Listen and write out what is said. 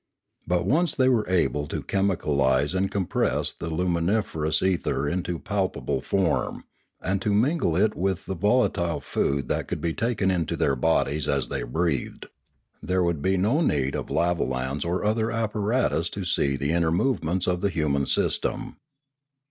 But once they were able to chemicalise and compress the lumin iferous ether into palpable form, and to mingle it with the volatile food that could be taken into their bodies as they breathed, there would be no need of lavolans or other apparatus to see the inner movements of the human system.